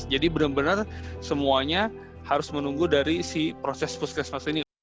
benar benar semuanya harus menunggu dari si proses puskesmas ini